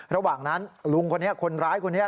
ระหว่างนั้นลุงคนนิ้วคนนี้